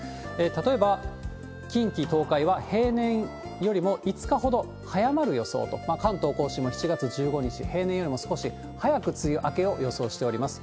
例えば近畿、東海は、平年よりも５日ほど早まる予想と、関東甲信も７月１５日、平年よりも少し早く梅雨明けを予想しております。